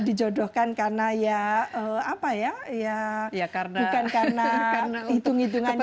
dijodohkan karena ya apa ya bukan karena hitung hitungan yang